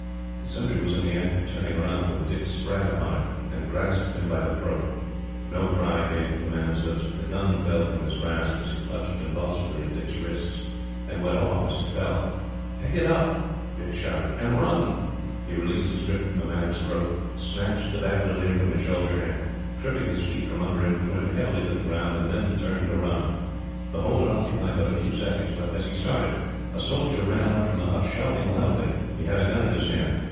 The sentry was in the act of turning round, when Dick sprang upon him, and grasped him by the throat. No cry came from the man's lips, but the gun fell from his grasp, as he clutched convulsively at Dick's wrists, and went off as it fell. "Pick it up," Dick shouted, "and run." He released his grip from the man's throat, snatched the bandolier from his shoulder, and, tripping his feet from under him, threw him heavily to the ground, and then turned to run. The whole had occupied but a few seconds, but as he started a soldier ran out from the hut, shouting loudly. He had a gun in his hand.